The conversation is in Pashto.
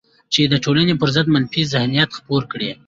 چې د ټولنې پر ضد منفي ذهنیت خپور کړي